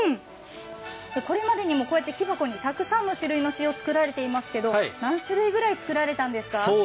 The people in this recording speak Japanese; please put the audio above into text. これまでにもこうやって木箱にたくさんの種類の塩作られていますけれども、何種類ぐらい作られたんですか？